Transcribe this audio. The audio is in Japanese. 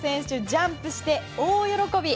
ジャンプして大喜び。